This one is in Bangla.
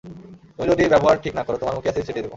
তুমি যদি ব্যবহার ঠিক না করো, তোমার মুখে অ্যাসিড ছিটিয়ে দিব।